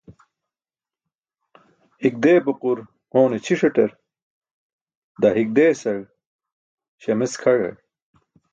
Hik deepaqur hoone ćʰiṣtar, daa hik deesaẏ śamec kʰayar.